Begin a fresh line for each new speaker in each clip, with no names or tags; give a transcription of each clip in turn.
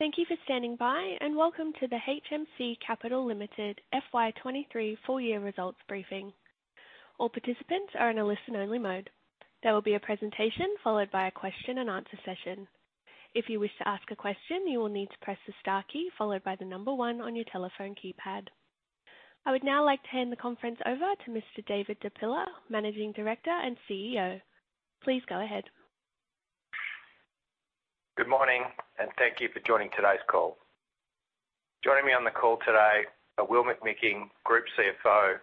Thank you for standing by, welcome to the HMC Capital Limited FY23 full year results briefing. All participants are in a listen-only mode. There will be a presentation followed by a question and answer session. If you wish to ask a question, you will need to press the star key followed by the number 1 on your telephone keypad. I would now like to hand the conference over to Mr. David Di Pilla, Managing Director and CEO. Please go ahead.
Good morning, thank you for joining today's call. Joining me on the call today are Will McMicking, Group CFO,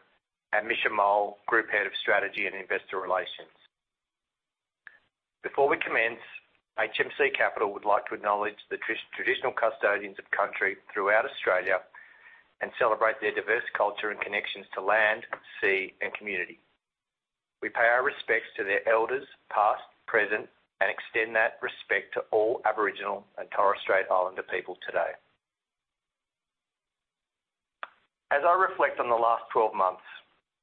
and Misha Mohl, Group Head of Strategy and Investor Relations. Before we commence, HMC Capital would like to acknowledge the traditional custodians of country throughout Australia and celebrate their diverse culture and connections to land, sea, and community. We pay our respects to their elders, past, present, and extend that respect to all Aboriginal and Torres Strait Islander people today. As I reflect on the last 12 months,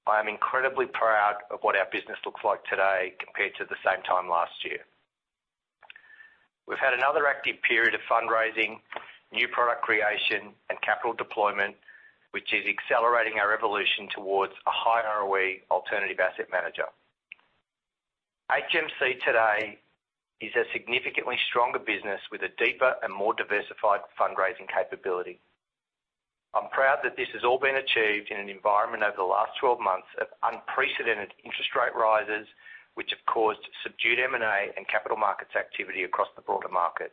I am incredibly proud of what our business looks like today compared to the same time last year. We've had another active period of fundraising, new product creation, and capital deployment, which is accelerating our evolution towards a high ROE alternative asset manager. HMC today is a significantly stronger business with a deeper and more diversified fundraising capability. I'm proud that this has all been achieved in an environment over the last 12 months of unprecedented interest rate rises, which have caused subdued M&A and capital markets activity across the broader market.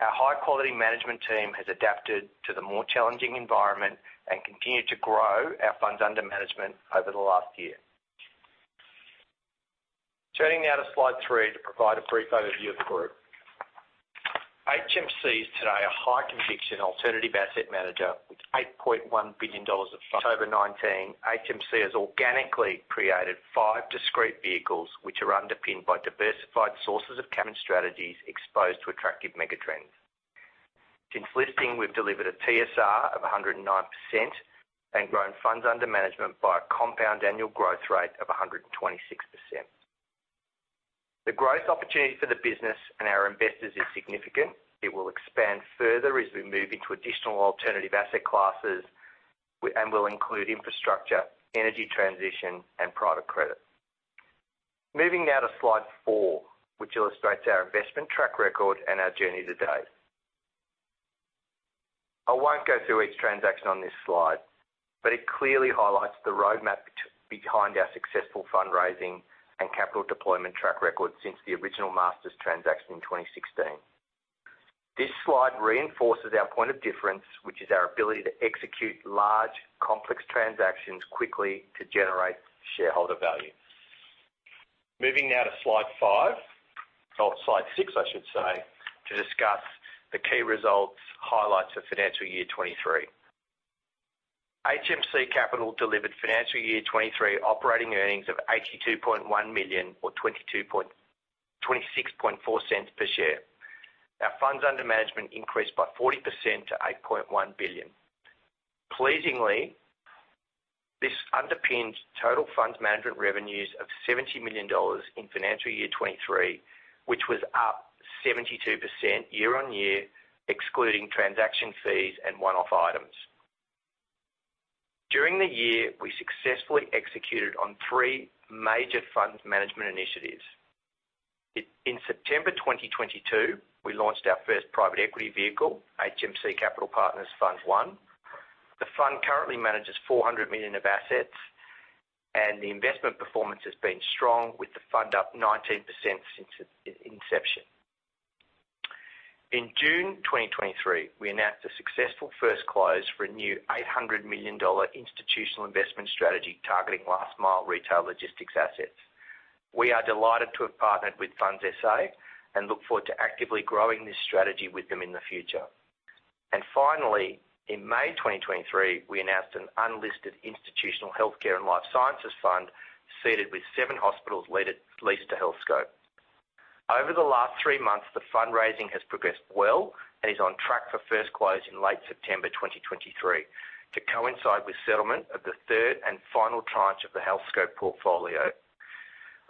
Our high-quality management team has adapted to the more challenging environment and continued to grow our funds under management over the last year. Turning now to slide three to provide a brief overview of the group. HMC is today a high-conviction alternative asset manager with 8.1 billion dollars October 19, HMC has organically created five discrete vehicles, which are underpinned by diversified sources of talent strategies exposed to attractive mega trends. Since listing, we've delivered a TSR of 109% and grown funds under management by a compound annual growth rate of 126%. The growth opportunity for the business and our investors is significant. It will expand further as we move into additional alternative asset classes, and will include infrastructure, energy transition, and private credit. Moving now to slide 4, which illustrates our investment track record and our journey to date. I won't go through each transaction on this slide, but it clearly highlights the roadmap behind our successful fundraising and capital deployment track record since the original Masters transaction in 2016. This slide reinforces our point of difference, which is our ability to execute large, complex transactions quickly to generate shareholder value. Moving now to slide 5, or slide 6, I should say, to discuss the key results, highlights of financial year 2023. HMC Capital delivered financial year 2023 operating earnings of $82.1 million or $0.264 per share. Our funds under management increased by 40% to $8.1 billion. Pleasingly, this underpins total funds management revenues of 70 million dollars in FY2023, which was up 72% year-over-year, excluding transaction fees and one-off items. In September 2022, we launched our first private equity vehicle, HMC Capital Partners Fund I. The fund currently manages 400 million of assets, and the investment performance has been strong, with the fund up 19% since its inception. In June 2023, we announced a successful first close for a new 800 million dollar institutional investment strategy targeting last-mile retail logistics assets. We are delighted to have partnered with Funds SA and look forward to actively growing this strategy with them in the future. Finally, in May 2023, we announced an unlisted institutional healthcare and life sciences fund, seated with seven hospitals leased to Healthscope. Over the last three months, the fundraising has progressed well and is on track for first close in late September 2023 to coincide with settlement of the third and final tranche of the Healthscope portfolio.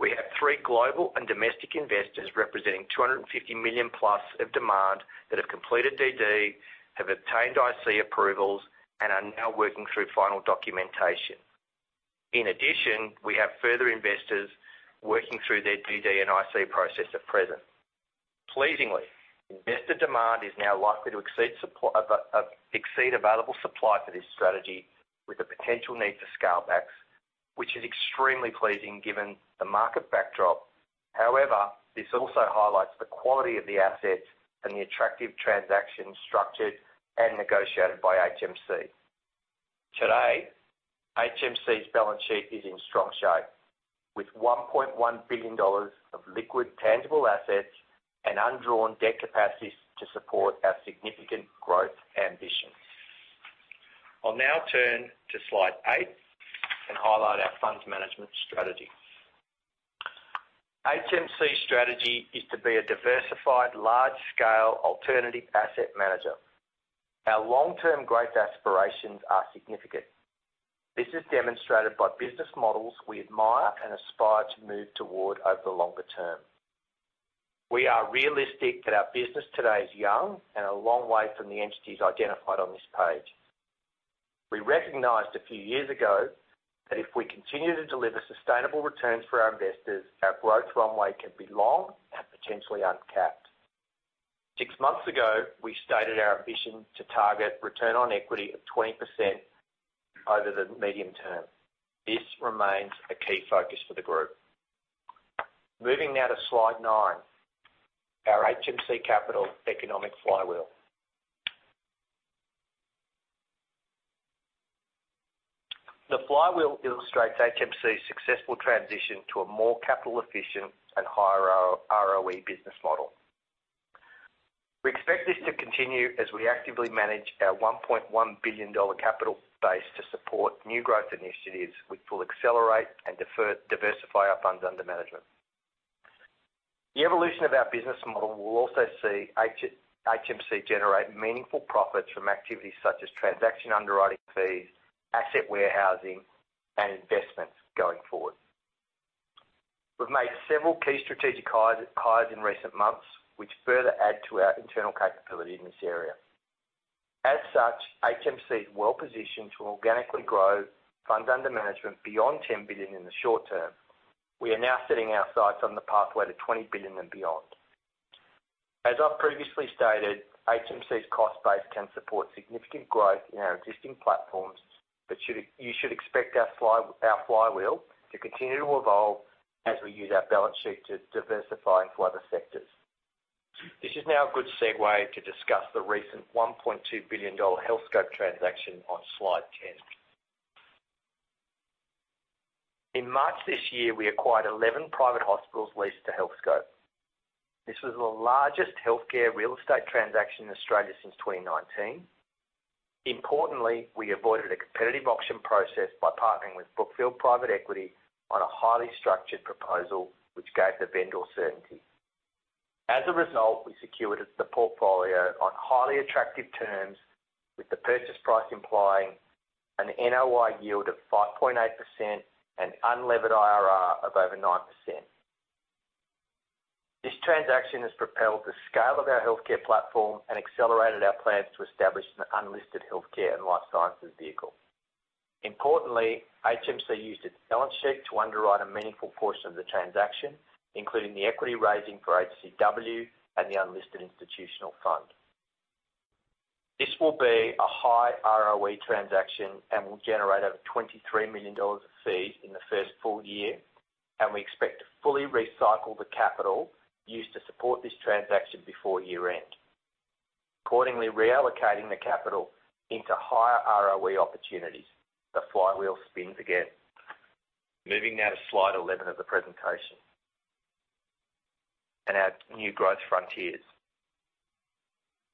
We have three global and domestic investors representing $250 million plus of demand that have completed DD, have obtained IC approvals, and are now working through final documentation. In addition, we have further investors working through their DD and IC process at present. Pleasingly, investor demand is now likely to exceed supply exceed available supply for this strategy with a potential need to scale back, which is extremely pleasing given the market backdrop. This also highlights the quality of the assets and the attractive transactions structured and negotiated by HMC. Today, HMC's balance sheet is in strong shape, with 1.1 billion dollars of liquid, tangible assets and undrawn debt capacities to support our significant growth ambitions. I'll now turn to slide 8 and highlight our funds management strategy. HMC's strategy is to be a diversified, large-scale alternative asset manager. Our long-term growth aspirations are significant. This is demonstrated by business models we admire and aspire to move toward over the longer term. We are realistic that our business today is young and a long way from the entities identified on this page. We recognized a few years ago, that if we continue to deliver sustainable returns for our investors, our growth runway can be long and potentially uncapped. Six months ago, we stated our ambition to target return on equity of 20% over the medium term. This remains a key focus for the group. Moving now to slide 9, our HMC Capital economic flywheel. The flywheel illustrates HMC's successful transition to a more capital efficient and higher ROE business model. We expect this to continue as we actively manage our 1.1 billion dollar capital base to support new growth initiatives, which will accelerate and diversify our funds under management. The evolution of our business model will also see HMC generate meaningful profits from activities such as transaction underwriting fees, asset warehousing, and investments going forward. We've made several key strategic hires in recent months, which further add to our internal capability in this area. As such, HMC is well positioned to organically grow funds under management beyond 10 billion in the short term. We are now setting our sights on the pathway to 20 billion and beyond. As I've previously stated, HMC's cost base can support significant growth in our existing platforms, but you should expect our flywheel to continue to evolve as we use our balance sheet to diversify into other sectors. This is now a good segue to discuss the recent 1.2 billion dollar Healthscope transaction on slide 10. In March this year, we acquired 11 private hospitals leased to Healthscope. This was the largest healthcare real estate transaction in Australia since 2019. Importantly, we avoided a competitive auction process by partnering with Brookfield Private Equity on a highly structured proposal, which gave the vendor certainty. As a result, we secured the portfolio on highly attractive terms, with the purchase price implying an NOI yield of 5.8% and unlevered IRR of over 9%. This transaction has propelled the scale of our healthcare platform and accelerated our plans to establish an unlisted healthcare and life sciences vehicle. Importantly, HMC used its balance sheet to underwrite a meaningful portion of the transaction, including the equity raising for HCW and the unlisted institutional fund. This will be a high ROE transaction and will generate over 23 million dollars of fees in the first full year. We expect to fully recycle the capital used to support this transaction before year-end. Accordingly, reallocating the capital into higher ROE opportunities, the flywheel spins again. Moving now to slide 11 of the presentation, our new growth frontiers.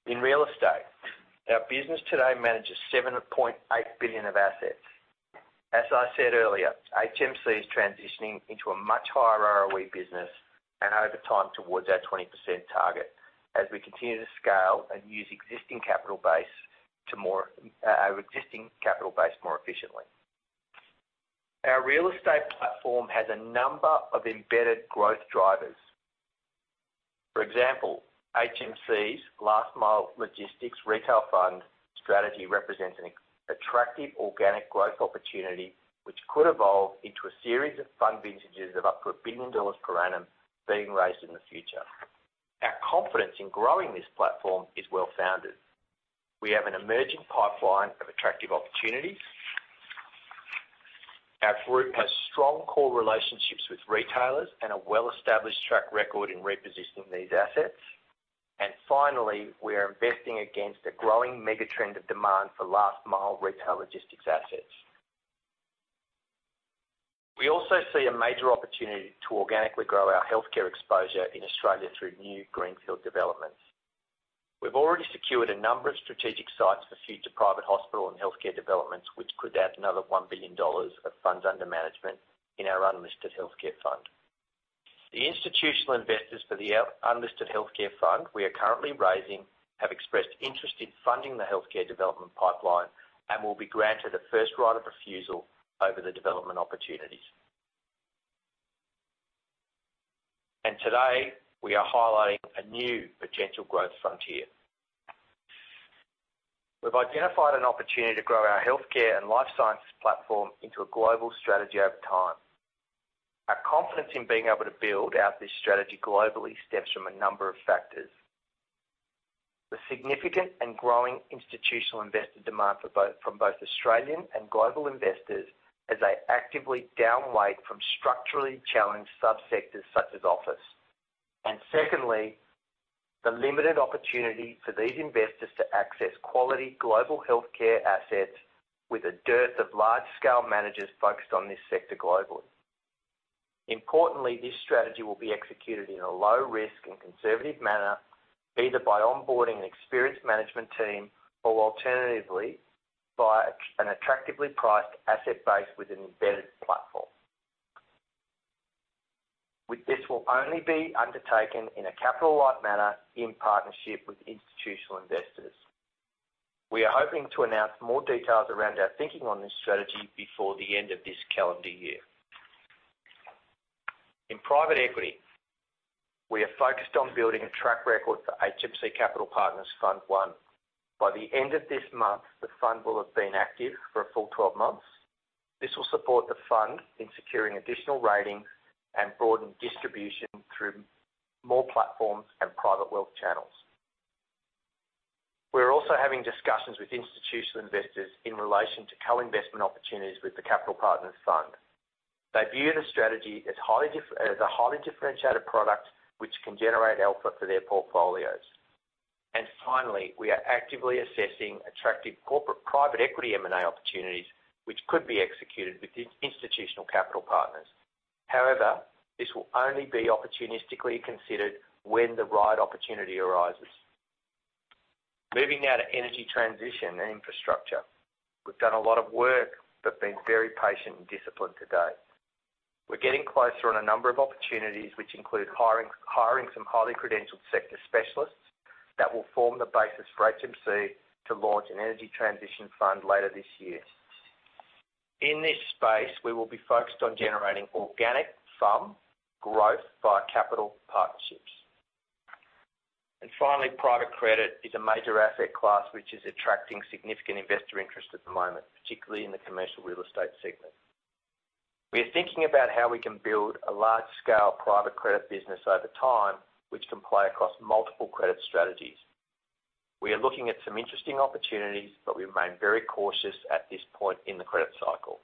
In real estate, our business today manages $7.8 billion of assets. As I said earlier, HMC is transitioning into a much higher ROE business and over time, towards our 20% target as we continue to scale and use existing capital base to more our existing capital base more efficiently. Our real estate platform has a number of embedded growth drivers. For example, HMC's Last Mile Logistics retail fund strategy represents an attractive organic growth opportunity, which could evolve into a series of fund vintages of up to $1 billion per annum being raised in the future. Our confidence in growing this platform is well-founded. We have an emerging pipeline of attractive opportunities. Our group has strong core relationships with retailers and a well-established track record in repositioning these assets. Finally, we are investing against a growing mega trend of demand for last mile retail logistics assets. We also see a major opportunity to organically grow our healthcare exposure in Australia through new greenfield developments. We've already secured a number of strategic sites for future private hospital and healthcare developments, which could add another 1 billion dollars of funds under management in our unlisted healthcare fund. The institutional investors for the unlisted healthcare fund we are currently raising, have expressed interest in funding the healthcare development pipeline and will be granted a first right of refusal over the development opportunities. Today, we are highlighting a new potential growth frontier. We've identified an opportunity to grow our healthcare and life sciences platform into a global strategy over time. Our confidence in being able to build out this strategy globally, stems from a number of factors. The significant and growing institutional investor demand from both Australian and global investors, as they actively downweight from structurally challenged sub-sectors such as office. Secondly, the limited opportunity for these investors to access quality global healthcare assets with a dearth of large-scale managers focused on this sector globally. Importantly, this strategy will be executed in a low-risk and conservative manner, either by onboarding an experienced management team or alternatively, by an attractively priced asset base with an embedded platform. With this will only be undertaken in a capital-light manner in partnership with institutional investors. We are hoping to announce more details around our thinking on this strategy before the end of this calendar year. In private equity, we are focused on building a track record for HMC Capital Partners Fund I. By the end of this month, the fund will have been active for a full 12 months. This will support the fund in securing additional ratings and broaden distribution through more platforms and private wealth channels. We're also having discussions with institutional investors in relation to co-investment opportunities with the Capital Partners Fund. They view the strategy as a highly differentiated product, which can generate alpha for their portfolios. Finally, we are actively assessing attractive corporate private equity M&A opportunities, which could be executed with institutional capital partners. However, this will only be opportunistically considered when the right opportunity arises. Moving now to energy transition and infrastructure. We've done a lot of work, been very patient and disciplined to date. We're getting closer on a number of opportunities, which include hiring, hiring some highly credentialed sector specialists that will form the basis for HMC to launch an energy transition fund later this year. In this space, we will be focused on generating organic FUM growth via capital partnerships. Finally, private credit is a major asset class, which is attracting significant investor interest at the moment, particularly in the commercial real estate segment. We are thinking about how we can build a large-scale private credit business over time, which can play across multiple credit strategies. We are looking at some interesting opportunities, but we remain very cautious at this point in the credit cycle.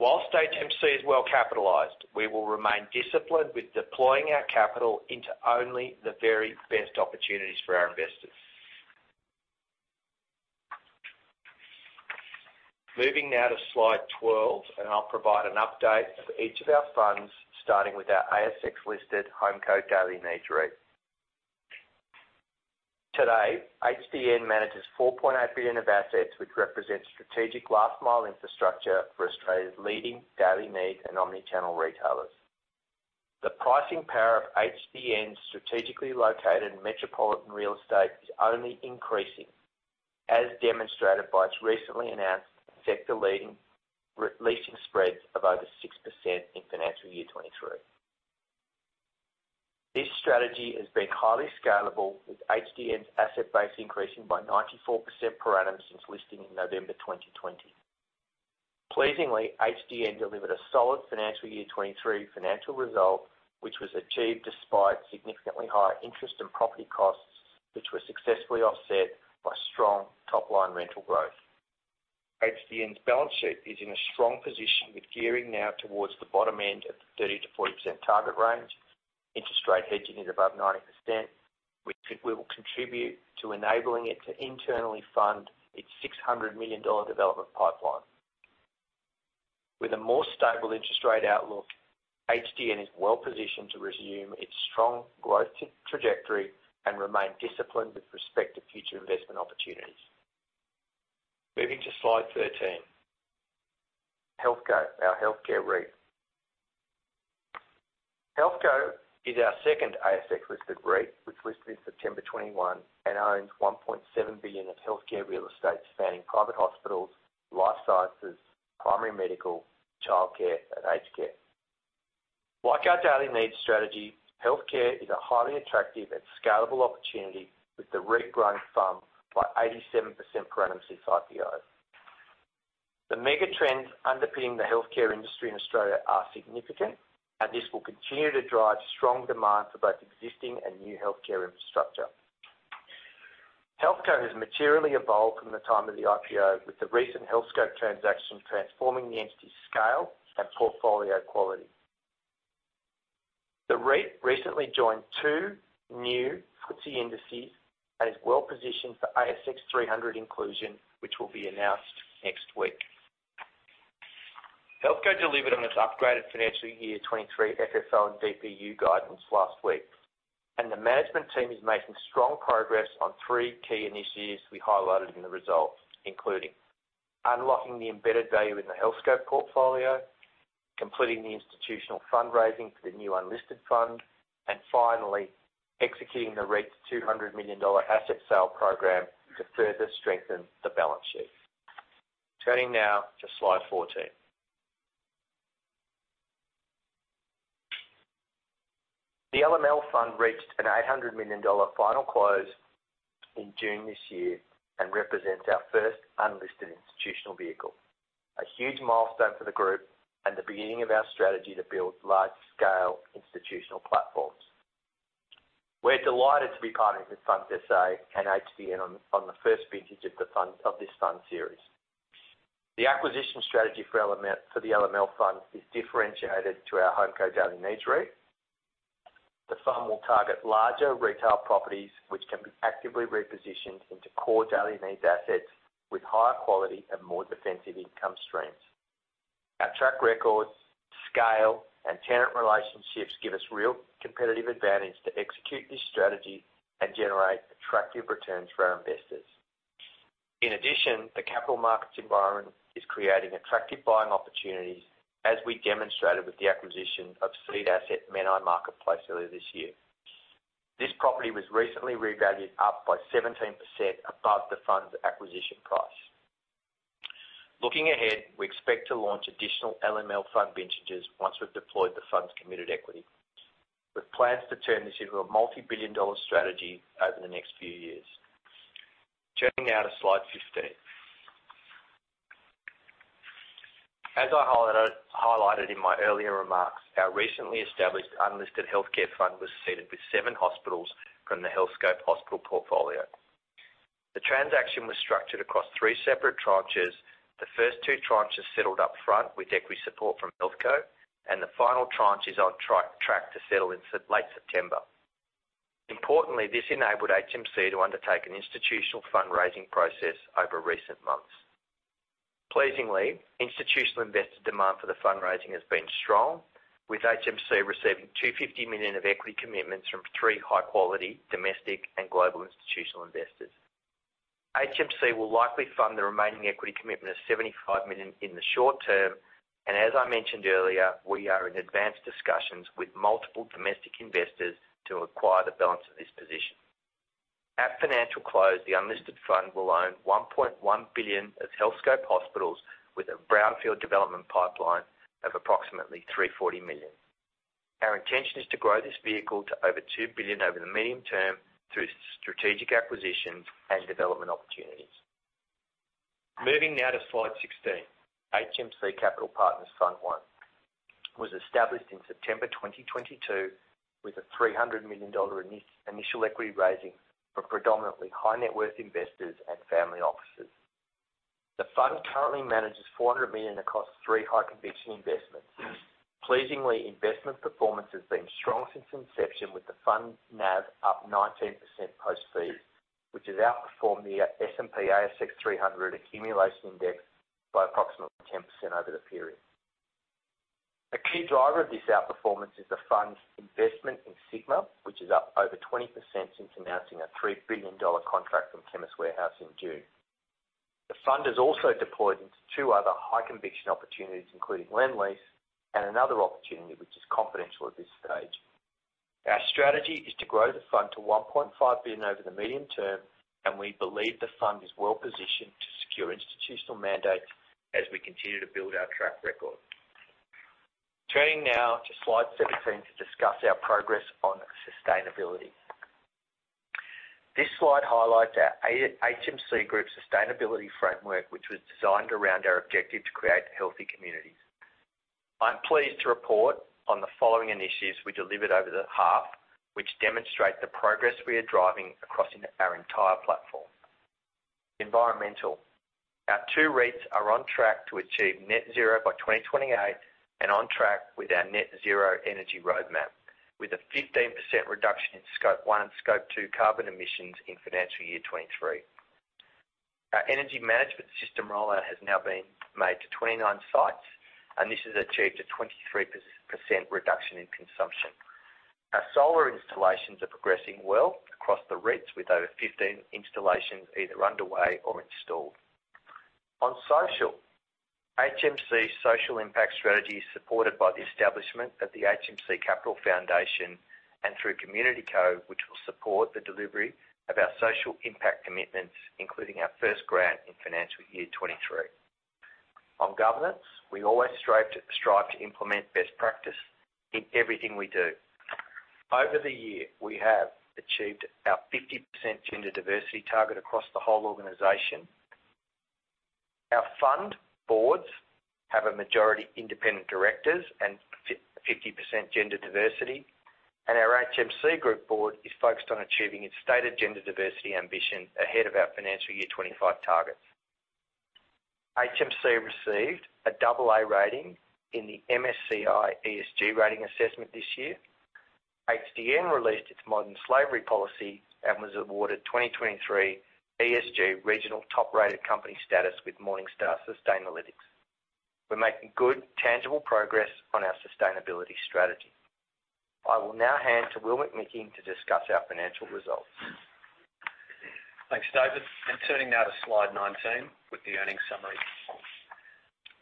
Whilst HMC is well capitalized, we will remain disciplined with deploying our capital into only the very best opportunities for our investors. Moving now to Slide 12, I'll provide an update for each of our funds, starting with our ASX-listed HomeCo Daily Needs REIT. Today, HDN manages 4.8 billion of assets, which represents strategic last mile infrastructure for Australia's leading daily need and omni-channel retailers. The pricing power of HDN's strategically located metropolitan real estate is only increasing, as demonstrated by its recently announced sector-leading re-leasing spreads of over 6% in FY23. This strategy has been highly scalable, with HDN's asset base increasing by 94% per annum since listing in November 2020. Pleasingly, HDN delivered a solid FY23 financial result, which was achieved despite significantly higher interest and property costs, which were successfully offset by strong top-line rental growth. HDN's balance sheet is in a strong position, with gearing now towards the bottom end of the 30%-40% target range, interest rate hedging at above 90%, which we think will contribute to enabling it to internally fund its 600 million dollar development pipeline. With a more stable interest rate outlook, HDN is well positioned to resume its strong growth trajectory and remain disciplined with respect to future investment opportunities. Moving to Slide 13. HealthCo, our healthcare REIT. HealthCo is our second ASX-listed REIT, which listed in September 2021 and owns 1.7 billion of healthcare real estate, spanning private hospitals, life sciences, primary medical, childcare, and aged care. Like our daily needs strategy, healthcare is a highly attractive and scalable opportunity, with the REIT growing FUM by 87% per annum since IPO. The mega trends underpinning the healthcare industry in Australia are significant, and this will continue to drive strong demand for both existing and new healthcare infrastructure. HealthCo has materially evolved from the time of the IPO, with the recent Healthscope transaction transforming the entity's scale and portfolio quality. The REIT recently joined two new FTSE indices and is well positioned for ASX 300 inclusion, which will be announced next week. HealthCo delivered on its upgraded financial year 2023 FFO and DPU guidance last week, and the management team is making strong progress on three key initiatives we highlighted in the results, including: unlocking the embedded value in the Healthscope portfolio, completing the institutional fundraising for the new unlisted fund, and finally, executing the REIT's 200 million dollar asset sale program to further strengthen the balance sheet. Turning now to Slide 14. The LML Fund reached a $800 million final close in June this year and represents our first unlisted institutional vehicle, a huge milestone for the group and the beginning of our strategy to build large-scale institutional platforms. We're delighted to be partnering with Funds SA and HBN on the first vintage of the fund, of this fund series. The acquisition strategy for the LML Fund is differentiated to our HomeCo Daily Needs REIT. The fund will target larger retail properties, which can be actively repositioned into core daily needs assets with higher quality and more defensive income streams. Our track records, scale, and tenant relationships give us real competitive advantage to execute this strategy and generate attractive returns for our investors. In addition, the capital markets environment is creating attractive buying opportunities, as we demonstrated with the acquisition of seed asset Menai Marketplace earlier this year. This property was recently revalued up by 17% above the fund's acquisition price. Looking ahead, we expect to launch additional LML fund vintages once we've deployed the fund's committed equity, with plans to turn this into a multi-billion dollar strategy over the next few years. Turning now to Slide 15. As I highlighted in my earlier remarks, our recently established unlisted healthcare fund was seeded with seven hospitals from the Healthscope hospital portfolio. The transaction was structured across three separate tranches. The first two tranches settled up front, with equity support from Healthscope, and the final tranche is on track to settle in late September. Importantly, this enabled HMC to undertake an institutional fundraising process over recent months. Pleasingly, institutional investor demand for the fundraising has been strong, with HMC receiving 250 million of equity commitments from three high-quality domestic and global institutional investors. HMC will likely fund the remaining equity commitment of 75 million in the short term. As I mentioned earlier, we are in advanced discussions with multiple domestic investors to acquire the balance of this position. At financial close, the unlisted fund will own 1.1 billion of Healthscope hospitals, with a brownfield development pipeline of approximately 340 million. Our intention is to grow this vehicle to over 2 billion over the medium term through strategic acquisitions and development opportunities. Moving now to Slide 16. HMC Capital Partners Fund I was established in September 2022, with a 300 million dollar initial equity raising from predominantly high-net-worth investors and family offices. The fund currently manages $400 million across three high-conviction investments. Pleasingly, investment performance has been strong since inception, with the fund NAV up 19% post-fee, which has outperformed the S&P/ASX 300 Accumulation Index by approximately 10% over the period. A key driver of this outperformance is the fund's investment in Sigma, which is up over 20% since announcing a $3 billion contract from Chemist Warehouse in June. The fund has also deployed into two other high-conviction opportunities, including Lendlease and another opportunity, which is confidential at this stage. Our strategy is to grow the fund to $1.5 billion over the medium term, and we believe the fund is well positioned to secure institutional mandates as we continue to build our track record. Turning now to Slide 17 to discuss our progress on sustainability. This slide highlights our HMC Capital sustainability framework, which was designed around our objective to create healthy communities. I'm pleased to report on the following initiatives we delivered over the half, which demonstrate the progress we are driving across our entire platform. Environmental. Our two REITs are on track to achieve net zero by 2028 and on track with our net zero energy roadmap, with a 15% reduction in Scope 1 and Scope 2 carbon emissions in FY23. Our energy management system rollout has now been made to 29 sites. This has achieved a 23% reduction in consumption. Our solar installations are progressing well across the REITs, with over 15 installations either underway or installed. On social, HMC's social impact strategy is supported by the establishment of the HMC Capital Foundation and through CommunityCo, which will support the delivery of our social impact commitments, including our first grant in financial year 2023. On governance, we always strive to implement best practice in everything we do. Over the year, we have achieved our 50% gender diversity target across the whole organization. Our fund boards have a majority independent directors and 50% gender diversity, and our HMC Group board is focused on achieving its stated gender diversity ambition ahead of our financial year 2025 targets. HMC received a double A rating in the MSCI ESG rating assessment this year. HDN released its Modern Slavery Statement and was awarded 2023 ESG regional top-rated company status with Morningstar Sustainalytics. We're making good, tangible progress on our sustainability strategy. I will now hand to Will McMicking to discuss our financial results.
Thanks, David. Turning now to Slide 19 with the earnings summary.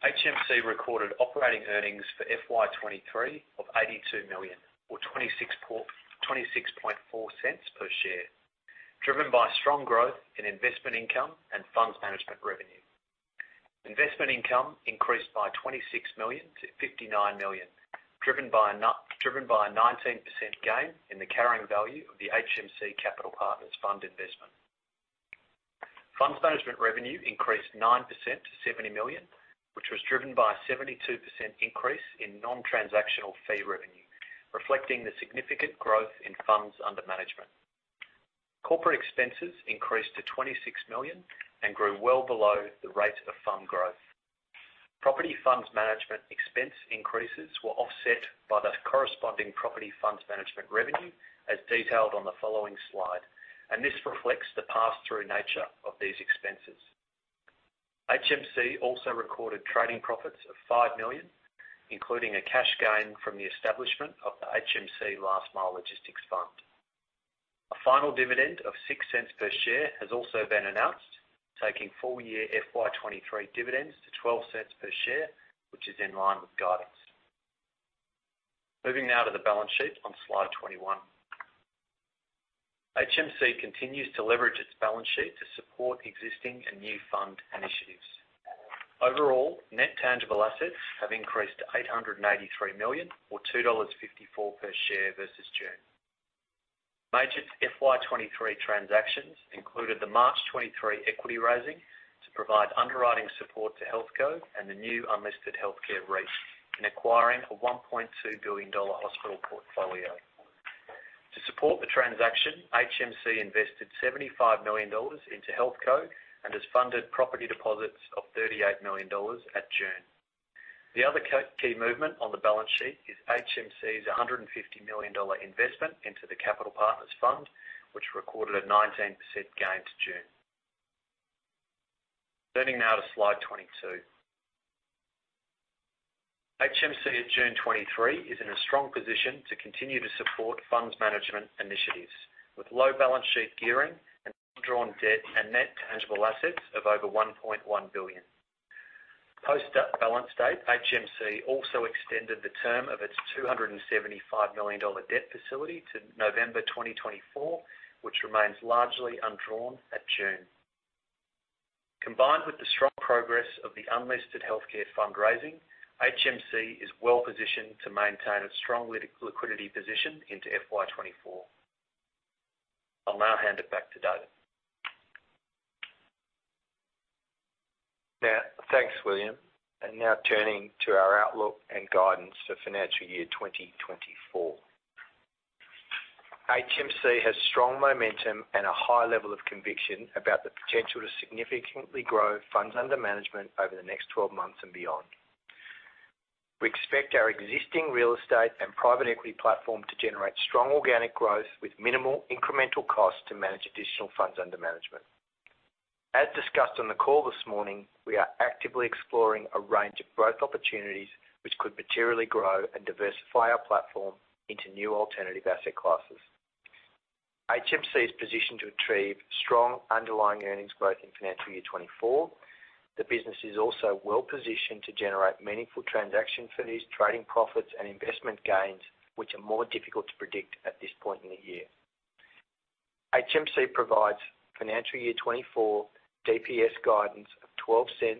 HMC recorded operating earnings for FY23 of 82 million, or 0.264 per share, driven by strong growth in investment income and funds management revenue. Investment income increased by 26 million to 59 million, driven by a 19% gain in the carrying value of the HMC Capital Partners Fund investment. Funds management revenue increased 9% to 70 million, which was driven by a 72% increase in non-transactional fee revenue, reflecting the significant growth in funds under management. Corporate expenses increased to 26 million and grew well below the rate of fund growth. Property funds management expense increases were offset by the corresponding property funds management revenue, as detailed on the following slide. This reflects the pass-through nature of these expenses. HMC also recorded trading profits of 5 million, including a cash gain from the establishment of the HMC Last Mile Logistics Fund. A final dividend of 0.06 per share has also been announced, taking full year FY23 dividends to 0.12 per share, which is in line with guidance. Moving now to the balance sheet on slide 21. HMC continues to leverage its balance sheet to support existing and new fund initiatives. Overall, net tangible assets have increased to 883 million, or 2.54 dollars per share versus June. Major FY23 transactions included the March 2023 equity raising to provide underwriting support to HealthCo and the new unlisted healthcare REIT in acquiring a 1.2 billion dollar hospital portfolio. To support the transaction, HMC invested 75 million dollars into HealthCo and has funded property deposits of 38 million dollars at June. The other key movement on the balance sheet is HMC's 150 million dollar investment into the Capital Partners Fund, which recorded a 19% gain to June. Turning now to slide 22. HMC at June 2023 is in a strong position to continue to support funds management initiatives, with low balance sheet gearing and undrawn debt and net tangible assets of over 1.1 billion. Post balance date, HMC also extended the term of its 275 million dollar debt facility to November 2024, which remains largely undrawn at June. Combined with the strong progress of the unlisted healthcare fundraising, HMC is well-positioned to maintain its strong liquidity position into FY24. I'll now hand it back to David.
Now, thanks, William. Now turning to our outlook and guidance for financial year 2024. HMC has strong momentum and a high level of conviction about the potential to significantly grow funds under management over the next 12 months and beyond. We expect our existing real estate and private equity platform to generate strong organic growth with minimal incremental cost to manage additional funds under management. As discussed on the call this morning, we are actively exploring a range of growth opportunities, which could materially grow and diversify our platform into new alternative asset classes. HMC is positioned to achieve strong underlying earnings growth in financial year 2024. The business is also well-positioned to generate meaningful transaction fees, trading profits, and investment gains, which are more difficult to predict at this point in the year. HMC provides financial year 2024 DPS guidance of 0.12,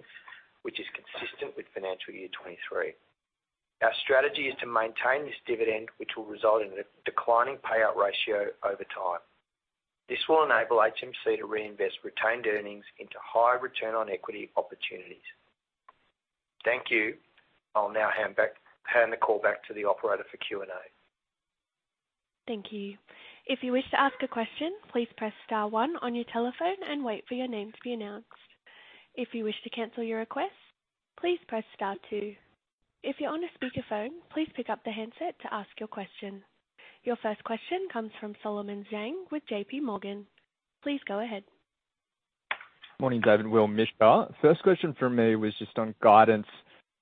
which is consistent with financial year 2023. Our strategy is to maintain this dividend, which will result in a declining payout ratio over time. This will enable HMC to reinvest retained earnings into high return on equity opportunities. Thank you. I'll now hand the call back to the operator for Q&A.
Thank you. If you wish to ask a question, please press star one on your telephone and wait for your name to be announced. If you wish to cancel your request, please press star two. If you're on a speakerphone, please pick up the handset to ask your question. Your first question comes from Solomon Zhang with J.P. Morgan. Please go ahead.
Morning, David, Will, Misha. First question from me was just on guidance.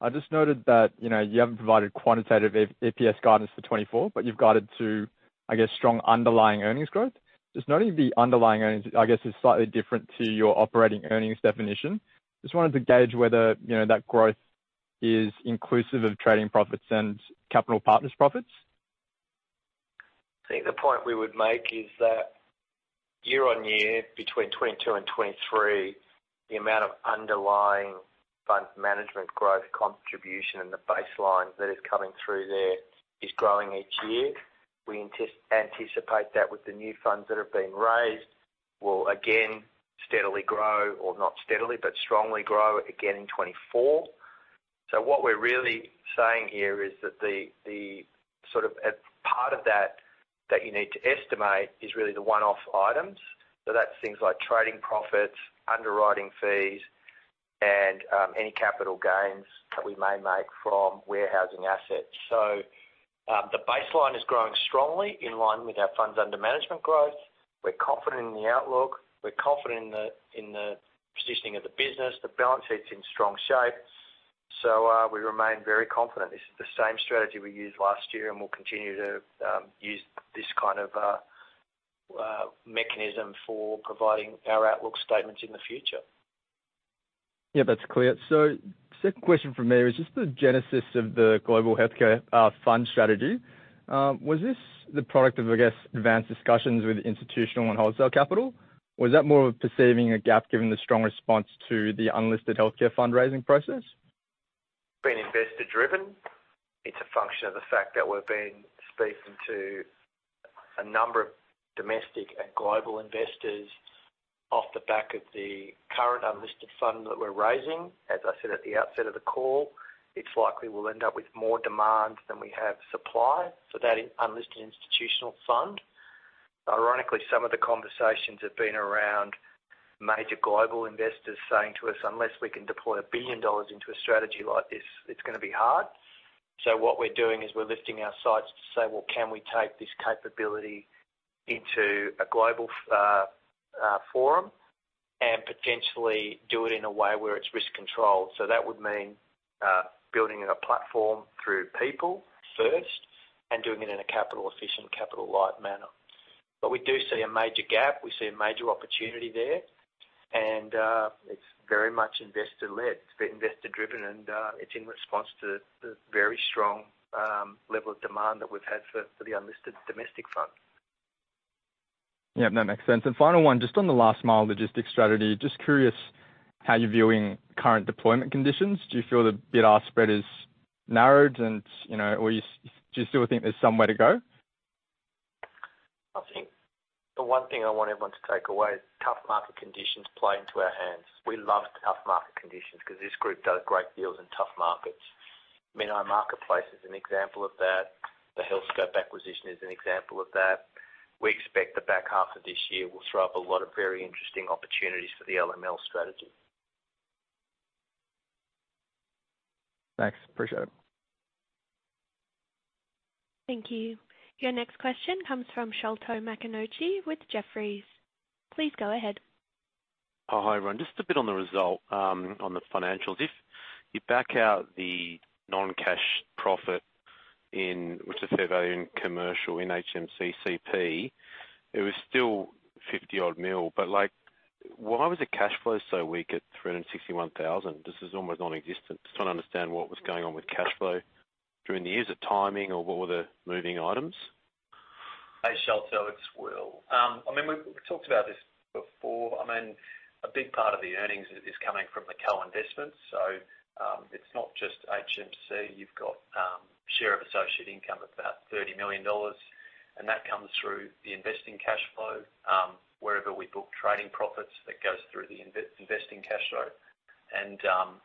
I just noted that, you know, you haven't provided quantitative EPS guidance for 2024, but you've guided to, I guess, strong underlying earnings growth. Just noting the underlying earnings, I guess, is slightly different to your operating earnings definition. Just wanted to gauge whether, you know, that growth is inclusive of trading profits and capital partners' profits?
I think the point we would make is that year-on-year, between 22 and 23, the amount of underlying fund management growth contribution and the baseline that is coming through there is growing each year. We anticipate that with the new funds that have been raised will again steadily grow, or not steadily, but strongly grow again in 24. What we're really saying here is that the, the sort of, part of that, that you need to estimate is really the one-off items. That's things like trading profits, underwriting fees, and any capital gains that we may make from warehousing assets. The baseline is growing strongly in line with our funds under management growth. We're confident in the outlook. We're confident in the, in the positioning of the business. The balance sheet's in strong shape, so we remain very confident. This is the same strategy we used last year, and we'll continue to use this kind of mechanism for providing our outlook statements in the future.
Yeah, that's clear. Second question from me is just the genesis of the global healthcare fund strategy. Was this the product of, I guess, advanced discussions with institutional and wholesale capital, or was that more of perceiving a gap given the strong response to the unlisted healthcare fundraising process?
It's been investor driven. It's a function of the fact that we've been speaking to a number of domestic and global investors off the back of the current unlisted fund that we're raising. As I said at the outset of the call, it's likely we'll end up with more demand than we have supply for that unlisted institutional fund. Ironically, some of the conversations have been around major global investors saying to us, "Unless we can deploy $1 billion into a strategy like this, it's going to be hard." What we're doing is we're lifting our sights to say, "Well, can we take this capability?" into a global forum and potentially do it in a way where it's risk-controlled. That would mean building a platform through people first and doing it in a capital efficient, capital-light manner. We do see a major gap. We see a major opportunity there, and, it's very much investor-led. It's been investor-driven, and, it's in response to the very strong, level of demand that we've had for, for the unlisted domestic funds.
Yeah, that makes sense. Final one, just on the Last Mile Logistics strategy, just curious how you're viewing current deployment conditions. Do you feel the bid-ask spread is narrowed, and, you know, or do you still think there's some way to go?
I think the one thing I want everyone to take away is tough market conditions play into our hands. We love tough market conditions because this group does great deals in tough markets. Menai Marketplace is an example of that. The Healthscope acquisition is an example of that. We expect the back half of this year will throw up a lot of very interesting opportunities for the LML strategy.
Thanks, appreciate it.
Thank you. Your next question comes from Sholto Maconochie with Jefferies. Please go ahead.
Hi, everyone. Just a bit on the result, on the financials. If you back out the non-cash profit in, which is fair value in commercial, in HMCCP, it was still 50 odd million, but why was the cash flow so weak at 361,000? This is almost nonexistent. Just trying to understand what was going on with cash flow during the years of timing or what were the moving items.
Hey, Sholto, it's Will. I mean, we've talked about this before. I mean, a big part of the earnings is, is coming from the co-investments, so, it's not just HMC. You've got, share of associate income of about 30 million dollars, that comes through the investing cash flow.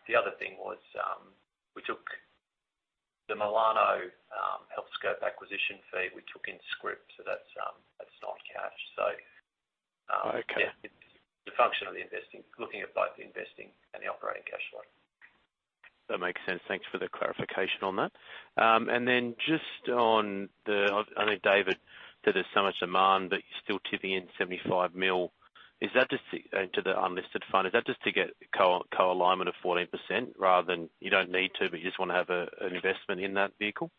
The other thing was, we took the Milano, Healthscope acquisition fee, we took in scrip, so that's, that's not cash.
Okay.
Yeah, it's the function of the investing, looking at both the investing and the operating cash flow.
That makes sense. Thanks for the clarification on that. Just on the... I know, David, that there's so much demand, but you're still tipping in 75 million. Is that just to the unlisted fund? Is that just to get co-alignment of 14% rather than you don't need to, but you just want to have a, an investment in that vehicle?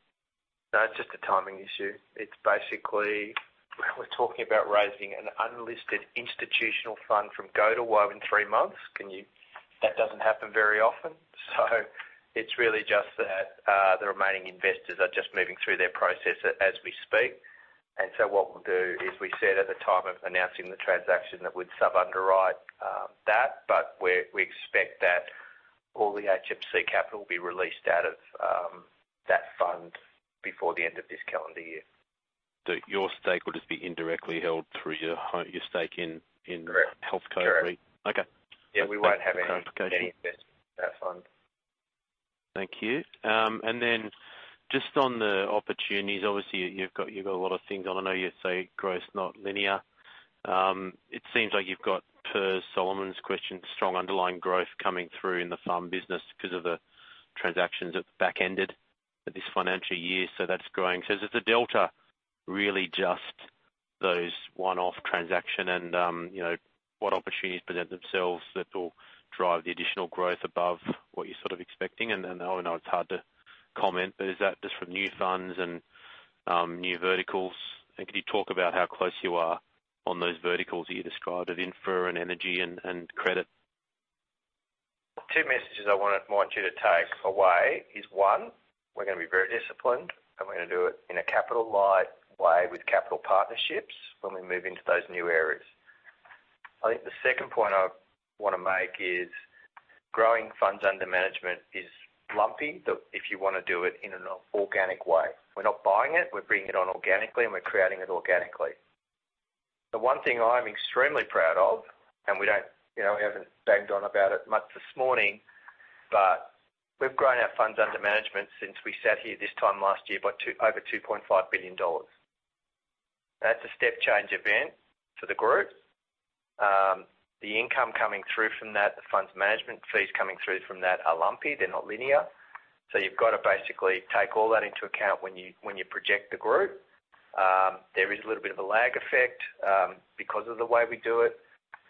No, it's just a timing issue. It's basically, we're talking about raising an unlisted institutional fund from go to whoa in 3 months. That doesn't happen very often. It's really just that, the remaining investors are just moving through their process as we speak. What we'll do is, we said at the time of announcing the transaction, that we'd sub-underwrite that, but we're, we expect that all the HMC Capital will be released out of that fund before the end of this calendar year.
Your stake would just be indirectly held through your stake in.
Correct.
-Healthscope?
Correct.
Okay.
Yeah, we won't have.
Thanks for the clarification.
any investment in that fund.
Thank you. Then just on the opportunities, obviously, you've got, you've got a lot of things on. I know you say growth, not linear. It seems like you've got, per Solomon's question, strong underlying growth coming through in the farm business because of the transactions that back-ended at this financial year. That's growing. Is the delta really just those one-off transaction and, you know, what opportunities present themselves that will drive the additional growth above what you're sort of expecting? Then I know it's hard to comment, but is that just from new funds and new verticals? Can you talk about how close you are on those verticals that you described, of infra and energy and, and credit?
Two messages I wanted want you to take away is, one, we're going to be very disciplined, and we're going to do it in a capital light way with capital partnerships when we move into those new areas. I think the second point I want to make is growing funds under management is lumpy, that if you want to do it in an organic way. We're not buying it, we're bringing it on organically, and we're creating it organically. The one thing I'm extremely proud of, and we don't, you know, we haven't banged on about it much this morning, but we've grown our funds under management since we sat here this time last year by two-- over 2.5 billion dollars. That's a step change event for the group. The income coming through from that, the funds management fees coming through from that are lumpy, they're not linear. You've got to basically take all that into account when you, when you project the group. There is a little bit of a lag effect, because of the way we do it,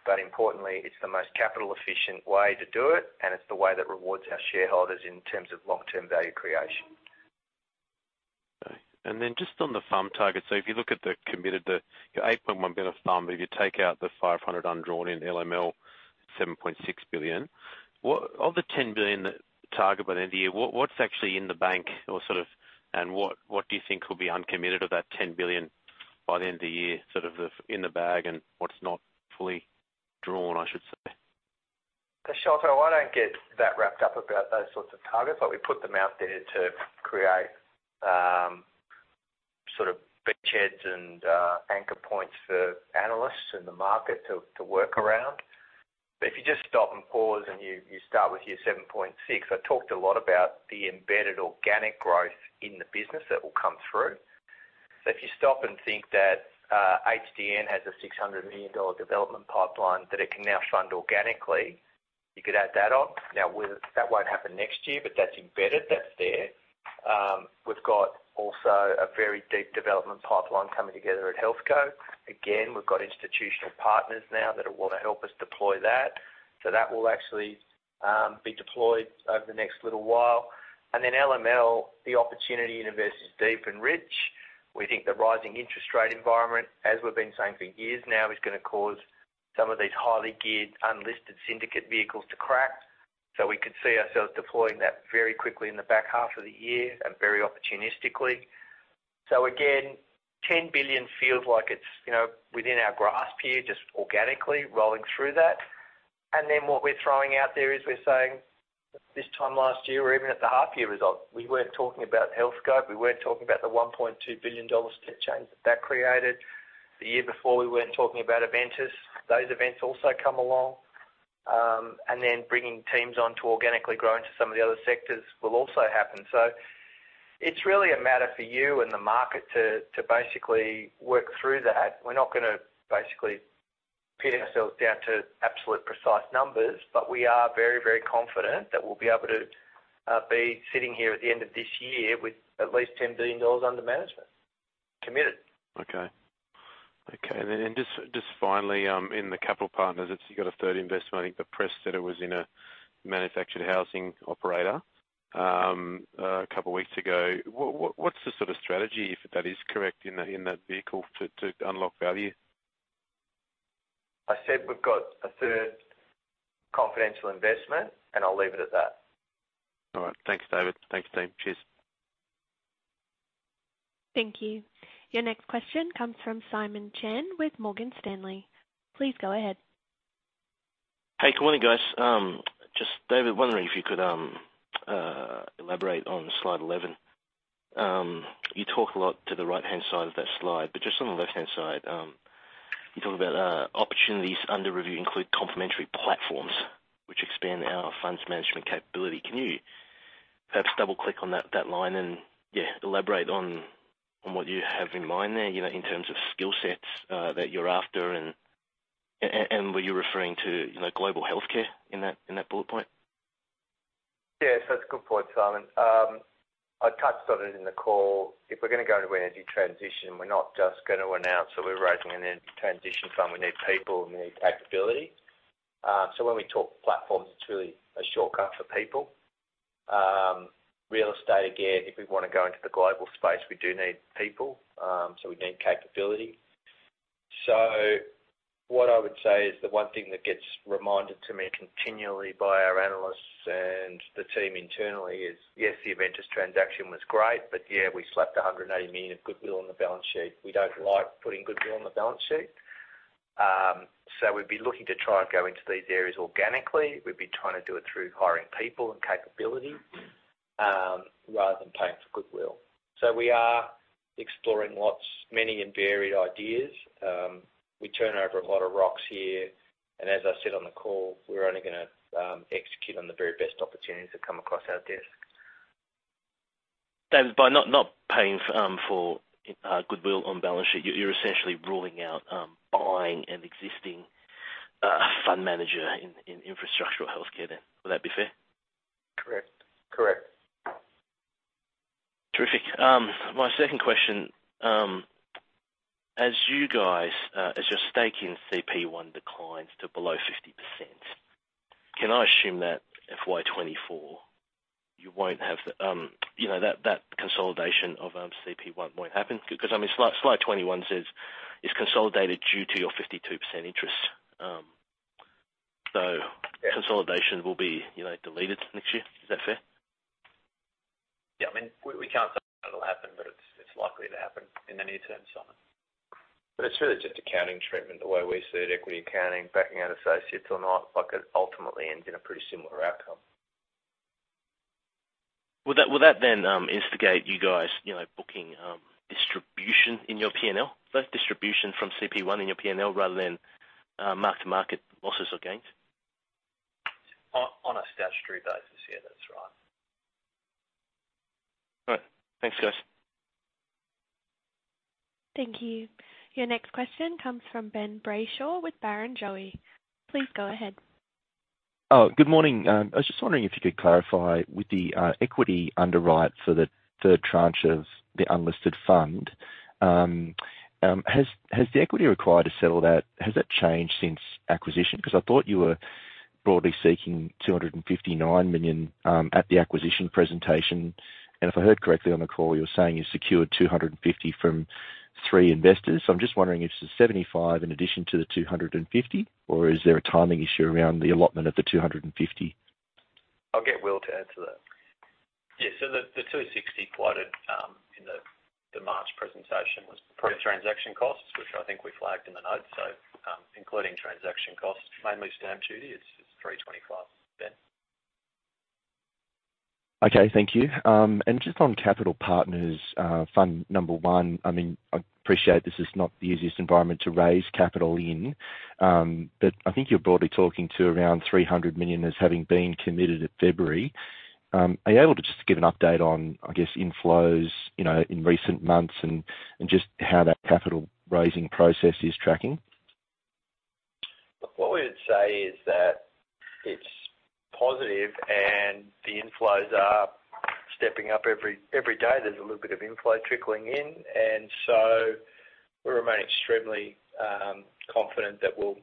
but importantly, it's the most capital efficient way to do it, and it's the way that rewards our shareholders in terms of long-term value creation.
Just on the FUM target. If you look at the committed, the 8.1 billion of FUM, if you take out the 500 million undrawn in LML, 7.6 billion, of the 10 billion, that target by the end of the year, what's actually in the bank or sort of, and what do you think will be uncommitted of that 10 billion by the end of the year, sort of, in the bag and what's not fully drawn, I should say?
Sholto, I don't get that wrapped up about those sorts of targets, we put them out there to create, sort of beachheads and anchor points for analysts in the market to, to work around. If you just stop and pause and you, you start with your 7.6, I talked a lot about the embedded organic growth in the business that will come through. If you stop and think that HDN has a 600 million dollar development pipeline, that it can now fund organically. You could add that on. Now, we're that won't happen next year, but that's embedded, that's there. We've got also a very deep development pipeline coming together at Healthscope. Again, we've got institutional partners now that will want to help us deploy that. That will actually be deployed over the next little while. LML, the opportunity universe is deep and rich. We think the rising interest rate environment, as we've been saying for years now, is gonna cause some of these highly geared, unlisted syndicate vehicles to crack. We could see ourselves deploying that very quickly in the back half of the year and very opportunistically. Again, 10 billion feels like it's, you know, within our grasp here, just organically rolling through that. What we're throwing out there is we're saying, this time last year, or even at the half year result, we weren't talking about Healthscope, we weren't talking about the 1.2 billion dollars chain that that created. The year before, we weren't talking about Aventus. Those events also come along. Bringing teams on to organically grow into some of the other sectors will also happen. It's really a matter for you and the market to basically work through that. We're not gonna basically pin ourselves down to absolute precise numbers, but we are very, very confident that we'll be able to be sitting here at the end of this year with at least $10 billion under management, committed.
Okay. Okay, just, just finally, in the Capital Partners, you've got a third investment. I think the press said it was in a manufactured housing operator, a couple of weeks ago. What's the sort of strategy, if that is correct, in that, in that vehicle to, to unlock value?
I said we've got a third confidential investment. I'll leave it at that.
All right. Thanks, David. Thanks, team. Cheers.
Thank you. Your next question comes from Simon Chan with Morgan Stanley. Please go ahead.
Hey, good morning, guys. Just, David, wondering if you could elaborate on slide 11. You talk a lot to the right-hand side of that slide, but just on the left-hand side, you talk about opportunities under review include complementary platforms, which expand our funds management capability. Can you perhaps double click on that, that line and, yeah, elaborate on what you have in mind there, you know, in terms of skill sets that you're after, and, and, and were you referring to, you know, global healthcare in that, in that bullet point?
Yes, that's a good point, Simon. I touched on it in the call. If we're gonna go into energy transition, we're not just gonna announce that we're raising an energy transition fund. We need people, we need capability. When we talk platforms, it's really a shortcut for people. Real estate, again, if we want to go into the global space, we do need people, so we need capability. What I would say is the one thing that gets reminded to me continually by our analysts and the team internally is, yes, the Aventus transaction was great, yeah, we slapped 180 million of goodwill on the balance sheet. We don't like putting goodwill on the balance sheet. We'd be looking to try and go into these areas organically. We'd be trying to do it through hiring people and capability, rather than paying for goodwill. We are exploring lots, many and varied ideas. We turn over a lot of rocks here, and as I said on the call, we're only gonna execute on the very best opportunities that come across our desk.
By not, not paying for, for goodwill on balance sheet, you're, you're essentially ruling out buying an existing fund manager in, in infrastructure or healthcare then. Would that be fair?
Correct. Correct.
Terrific. My second question, as you guys, as your stake in CP1 declines to below 50%, can I assume that FY2024, you won't have the, you know, that, that consolidation of, CP1 won't happen? Because, I mean, slide, slide 21 says it's consolidated due to your 52% interest.
Yeah.
consolidation will be, you know, deleted next year. Is that fair?
Yeah, I mean, we, we can't say it'll happen, but it's, it's likely to happen in the near term, Simon.
It's really just accounting treatment, the way we see it, equity accounting, backing out associates or not, like, it ultimately ends in a pretty similar outcome.
Will that, will that then, instigate you guys, you know, booking distribution in your P&L, those distributions from CP1 in your P&L, rather than mark-to-market losses or gains?
On, on a statutory basis, yeah, that's right.
All right. Thanks, guys.
Thank you. Your next question comes from Ben Brayshaw with Barrenjoey. Please go ahead.
Oh, good morning. I was just wondering if you could clarify with the equity underwrite for the third tranche of the unlisted fund, has the equity required to settle that, has that changed since acquisition? I thought you were broadly seeking 259 million at the acquisition presentation, and if I heard correctly on the call, you're saying you secured 250 million from 3 investors. I'm just wondering if it's 75 million in addition to the 250 million, or is there a timing issue around the allotment of the 250 million?
I'll get Will to answer that.
Yeah, so the, the 260 quoted in the, the March presentation was pre-transaction costs, which I think we flagged in the notes. Including transaction costs, mainly stamp duty, it's, it's 325, Ben.
Okay, thank you. Just on Capital Partners Fund number one, I appreciate this is not the easiest environment to raise capital in, but I think you're broadly talking to around 300 million as having been committed at February. Are you able to just give an update on inflows in recent months and just how that capital raising process is tracking?
Look, what we'd say is that it's positive and the inflows are stepping up every, every day. There's a little bit of inflow trickling in. We remain extremely confident that we'll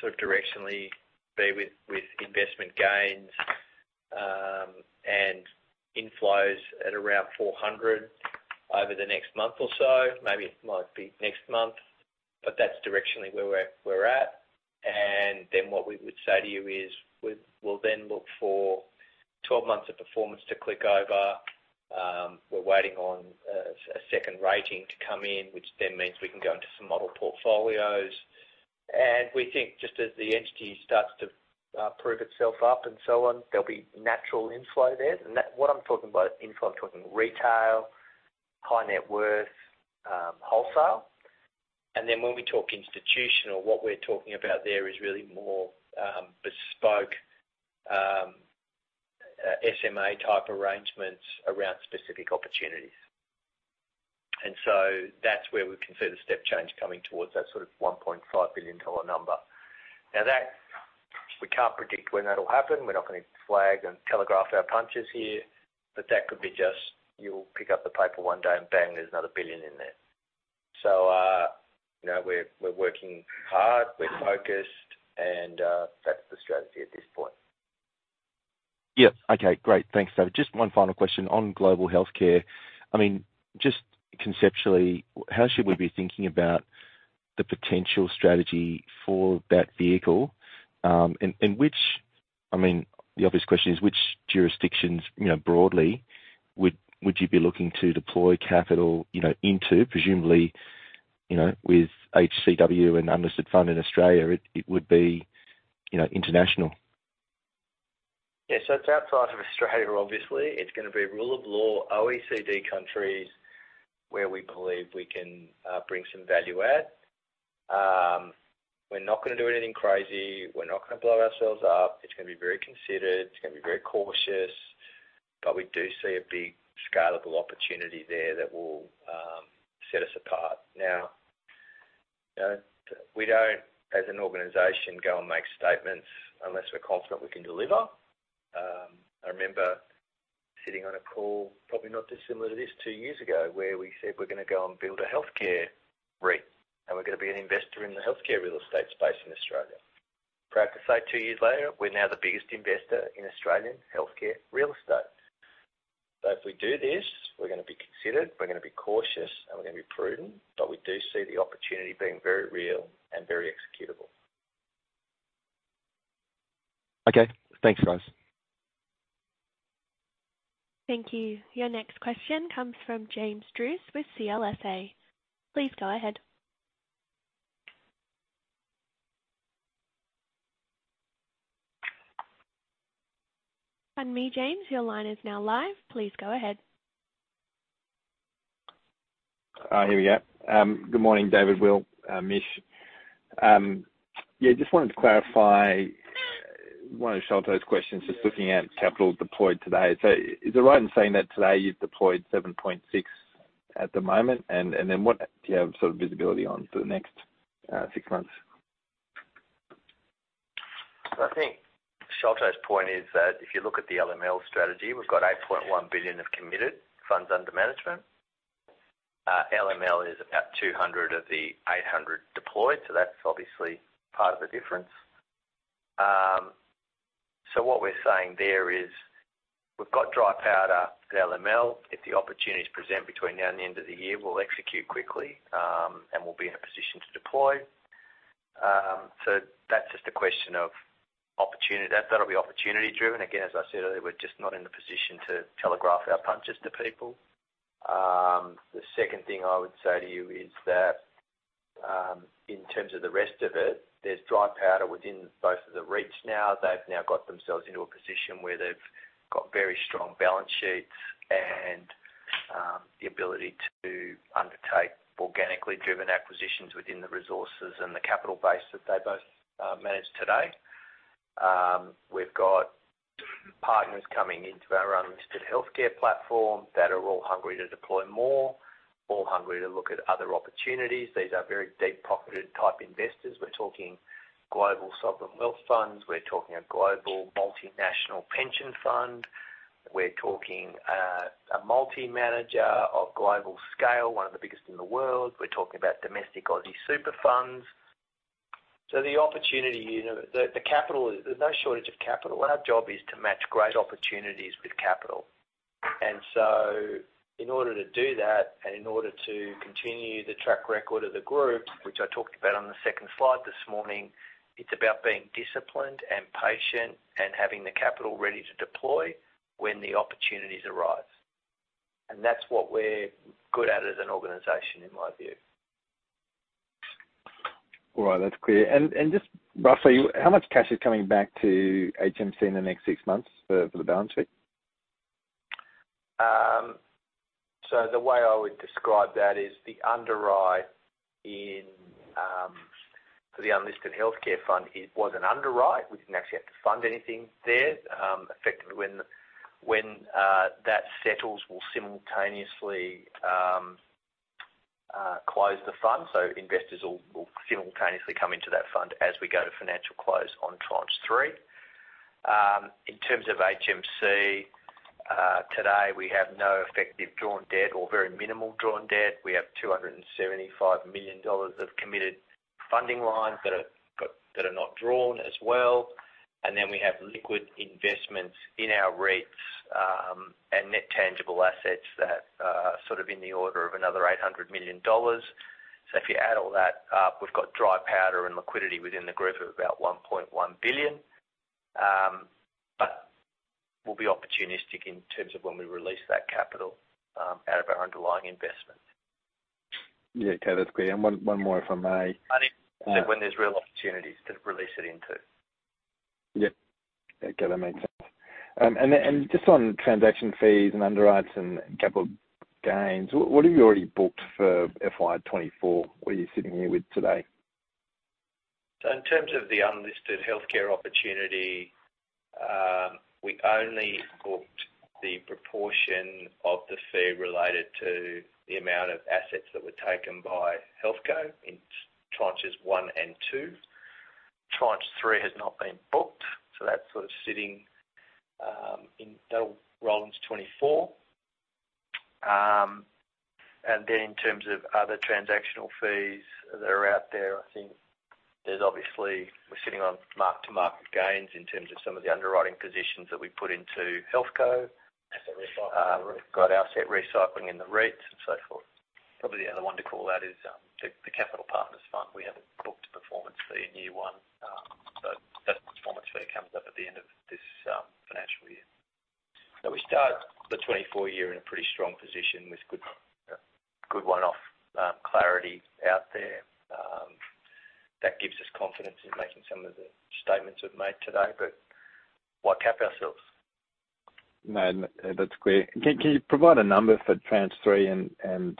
sort of directionally be with, with investment gains, and inflows at around 400 over the next month or so. Maybe it might be next month. That's directionally where we're, we're at. What we would say to you is, we'll then look for 12 months of performance to click over. We're waiting on a second rating to come in, which then means we can go into some model portfolios. We think just as the entity starts to prove itself up and so on, there'll be natural inflow there. What I'm talking about inflow, I'm talking retail, high net worth, wholesale. Then when we talk institutional, what we're talking about there is really more, bespoke, SMA type arrangements around specific opportunities. So that's where we can see the step change coming towards that sort of 1.5 billion dollar number. Now, that, we can't predict when that'll happen. We're not going to flag and telegraph our punches here, but that could be just, you'll pick up the paper one day and bang, there's another 1 billion in there. You know, we're, we're working hard, we're focused, and that's the strategy at this point.
Yep. Okay, great. Thanks, David. Just 1 final question on global healthcare. I mean, just conceptually, how should we be thinking about the potential strategy for that vehicle? I mean, the obvious question is, which jurisdictions, you know, broadly, would you be looking to deploy capital, you know, into? Presumably, you know, with HCW and unlisted fund in Australia, it would be, you know, international.
Yeah, it's outside of Australia, obviously. It's going to be rule of law, OECD countries, where we believe we can bring some value add. We're not going to do anything crazy. We're not going to blow ourselves up. It's going to be very considered, it's going to be very cautious. We do see a big scalable opportunity there that will set us apart. You know, we don't, as an organization, go and make statements unless we're confident we can deliver. I remember sitting on a call, probably not too similar to this, 2 years ago, where we said we're going to go and build a healthcare REIT, and we're going to be an investor in the healthcare real estate space in Australia. Proud to say, 2 years later, we're now the biggest investor in Australian healthcare real estate. If we do this, we're going to be considered, we're going to be cautious, and we're going to be prudent, but we do see the opportunity being very real and very executable.
Okay. Thanks, guys.
Thank you. Your next question comes from James Druce with CLSA. Please go ahead. Pardon me, James, your line is now live. Please go ahead.
Here we go. Good morning, David, Will, Mish. Yeah, just wanted to clarify one of Sholto's questions, just looking at capital deployed today. Is it right in saying that today you've deployed 7.6 at the moment? What do you have sort of visibility on for the next, six months?
I think Sholto's point is that if you look at the LML strategy, we've got 8.1 billion of committed funds under management. LML is about 200 of the 800 deployed, so that's obviously part of the difference. What we're saying there is we've got dry powder at LML. If the opportunities present between now and the end of the year, we'll execute quickly, and we'll be in a position to deploy. That's just a question of opportunity. That'll be opportunity-driven. Again, as I said earlier, we're just not in a position to telegraph our punches to people. The second thing I would say to you is that in terms of the rest of it, there's dry powder within both of the REITs now. They've now got themselves into a position where they've got very strong balance sheets and, the ability to undertake organically driven acquisitions within the resources and the capital base that they both, manage today. We've got partners coming into our unlisted healthcare platform that are all hungry to deploy more, all hungry to look at other opportunities. These are very deep-pocketed type investors. We're talking global sovereign wealth funds. We're talking a global multinational pension fund. We're talking, a multi-manager of global scale, one of the biggest in the world. We're talking about domestic Aussie super funds. The opportunity, you know, the, the capital, there's no shortage of capital. Our job is to match great opportunities with capital. In order to do that, and in order to continue the track record of the group, which I talked about on the second slide this morning, it's about being disciplined and patient and having the capital ready to deploy when the opportunities arise. That's what we're good at as an organization, in my view.
All right. That's clear. Just roughly, how much cash is coming back to HMC in the next six months for, for the balance sheet?
The way I would describe that is the underwrite in for the unlisted healthcare fund, it was an underwrite. We didn't actually have to fund anything there. Effectively, when, when that settles, we'll simultaneously close the fund, so investors will simultaneously come into that fund as we go to financial close on tranche 3. In terms of HMC, today, we have no effective drawn debt or very minimal drawn debt. We have 275 million dollars of committed funding lines that are that are not drawn as well. Then we have liquid investments in our REITs, and net tangible assets that are sort of in the order of another 800 million dollars. If you add all that up, we've got dry powder and liquidity within the group of about 1.1 billion. We'll be opportunistic in terms of when we release that capital out of our underlying investments.
Yeah, okay, that's great. One, one more, if I may.
Only when there's real opportunities to release it into.
Yep. Okay, that makes sense. Then, and just on transaction fees and underwrites and capital gains, what have you already booked for FY24? What are you sitting here with today?
In terms of the unlisted healthcare opportunity, we only booked the proportion of the fee related to the amount of assets that were taken by HealthCo in tranches 1 and 2. Tranche 3 has not been booked, that's sort of sitting. That'll roll into 2024. In terms of other transactional fees that are out there, I think there's obviously, we're sitting on mark-to-market gains in terms of some of the underwriting positions that we put into HealthCo.
Asset recycling.
We've got asset recycling in the REITs and so forth. Probably the other one to call out is the Capital Partners Fund. We haven't booked a performance fee in year 1, so that performance fee comes up at the end of this financial year. We start the 2024 year in a pretty strong position with good, good one-off clarity out there. That gives us confidence in making some of the statements we've made today, but why cap ourselves?
No, that's clear. Can, can you provide a number for tranche 3 and, and,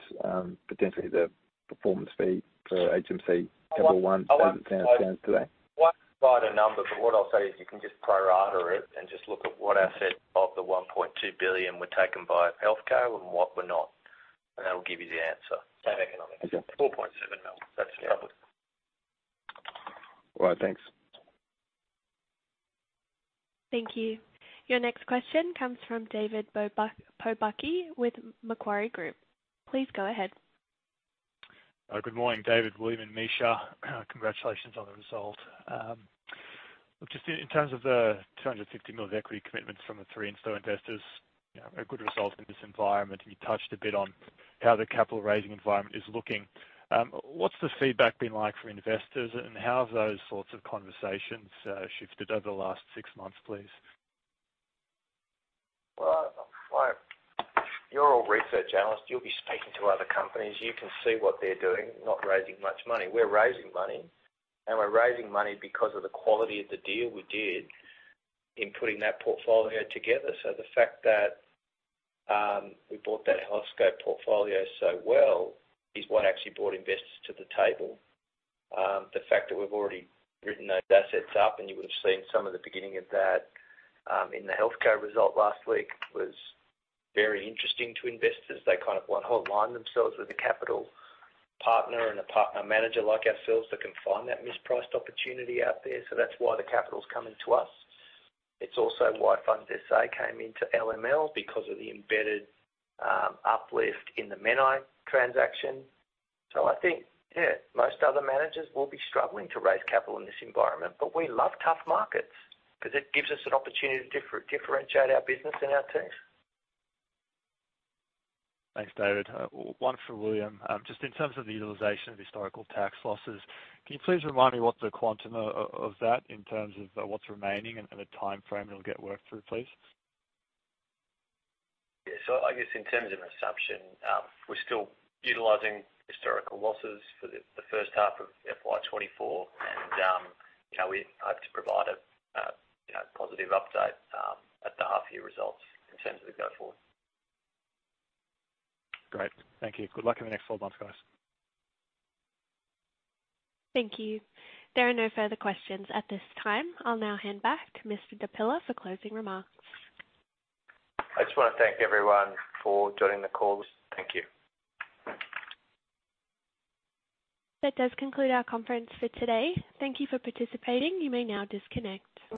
potentially the performance fee for HMC Capital one-
I won't- Today. I won't provide a number. What I'll say is you can just pro rata it and just look at what assets of the 1.2 billion were taken by HealthCo and what were not. That will give you the answer.
Same economics.
4.7 mil. That's roughly.
All right, thanks.
Thank you. Your next question comes from David Pobucky with Macquarie Group. Please go ahead.
Good morning, David, William, and Misha. Congratulations on the result. Just in terms of the 250 million of equity commitments from the three insto investors, you know, a good result in this environment. You touched a bit on how the capital raising environment is looking. What's the feedback been like for investors, and how have those sorts of conversations shifted over the last six months, please?
Well, look, you're all research analysts. You'll be speaking to other companies. You can see what they're doing, not raising much money. We're raising money, and we're raising money because of the quality of the deal we did in putting that portfolio together. The fact that we bought that Healthscope portfolio so well is what actually brought investors to the table. The fact that we've already written those assets up, and you would have seen some of the beginning of that in the Healthco result last week, was very interesting to investors. They kind of want to align themselves with a capital partner and a partner manager like ourselves that can find that mispriced opportunity out there. That's why the capital's coming to us. It's also why Funds SA came into LML because of the embedded uplift in the Menai transaction. I think, yeah, most other managers will be struggling to raise capital in this environment, but we love tough markets because it gives us an opportunity to differentiate our business and our team.
Thanks, David. One for William. Just in terms of the utilization of historical tax losses, can you please remind me what the quantum of that is, in terms of, what's remaining and, and the timeframe it'll get worked through, please?
Yeah. I guess in terms of assumption, we're still utilizing historical losses for the first half of FY2024. You know, we hope to provide a, you know, positive update at the half year results in terms of the go-forward.
Great. Thank you. Good luck in the next four months, guys.
Thank you. There are no further questions at this time. I'll now hand back to Mr. Di Pilla for closing remarks.
I just want to thank everyone for joining the call. Thank you.
That does conclude our conference for today. Thank you for participating. You may now disconnect.